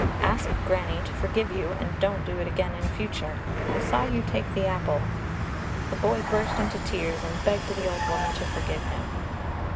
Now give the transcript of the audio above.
"Ask Granny to forgive you and don't do it again in future; I saw you take the apple." The boy burst into tears and begged the old woman to forgive him.